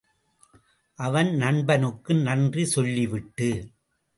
அவன் நண்பனுக்கு நன்றி சொல்லிவிட்டு.